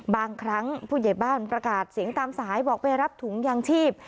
บางครั้งผู้ใหญ่บ้านประกาศเสียงตามสายบอกไปรับถุงยางชีพ